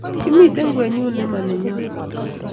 Kimite ng'wenyut ne mo nenyon.